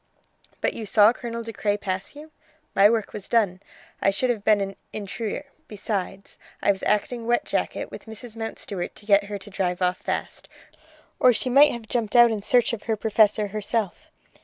"But you saw Colonel De Craye pass you?" "My work was done; I should have been an intruder. Besides I was acting wet jacket with Mrs. Mountstuart to get her to drive off fast, or she might have jumped out in search of her Professor herself."